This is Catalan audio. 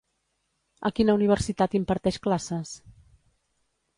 A quina universitat imparteix classes?